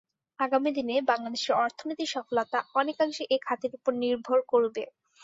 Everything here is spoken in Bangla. আগামী দিনে বাংলাদেশের অর্থনীতির সফলতা অনেকাংশে এ খাতের ওপর নির্ভর করবে।